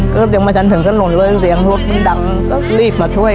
ก็เสียงมาฉันถึงกระหน่วงเลยเสียงรถดังก็รีบมาช่วย